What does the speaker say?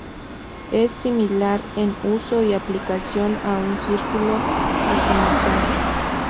Es similar en uso y aplicación a un círculo aZimutal.